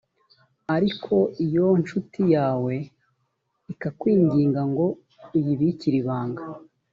ariko iyo ncuti yawe ikakwinginga ngo uyibikire ibanga